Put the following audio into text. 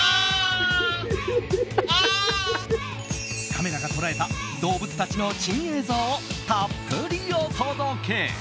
カメラが捉えた、動物たちの珍映像をたっぷりお届け！